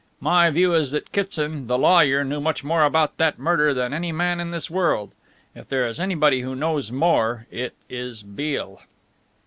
My view is that Kitson, the lawyer, knew much more about that murder than any man in this world. If there is anybody who knows more it is Beale."